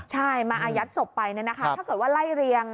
ใช่มาอายัดศพไปถ้าเกิดว่าไล่เรียง